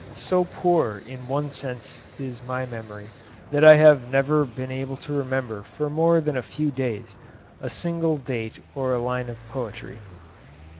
So poor in one sense is my memory, that I have never been able to remember for more than a few days a single date or a line of poetry.